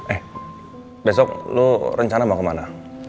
eh besok lu rencana mau kemana